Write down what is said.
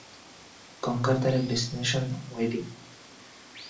গঙ্গার ধারে, destination wedding?